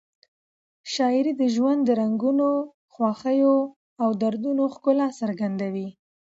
شاعري د ژوند د رنګونو، خوښیو او دردونو ښکلا څرګندوي.